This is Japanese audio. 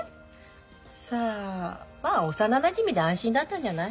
さあまあ幼なじみで安心だったんじゃない？